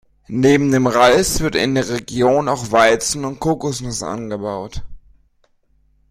Neben dem Reis wird in der Region auch Weizen und Kokosnuss angebaut.